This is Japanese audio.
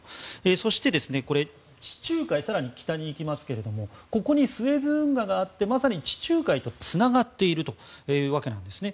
そして、地中海があって更に北に行きますとここにスエズ運河があってまさに地中海とつながっているというわけなんですね。